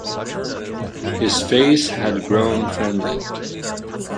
His face had grown friendly.